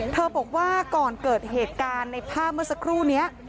บอกว่าก่อนเกิดเหตุการณ์ในภาพเมื่อสักครู่นี้